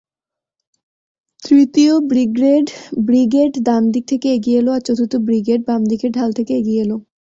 তৃতীয় ব্রিগেড ডান দিক থেকে এগিয়ে এল, আর চতুর্থ ব্রিগেড বাম দিকের ঢাল থেকে এগিয়ে এল।